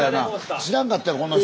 知らんかったよこの人。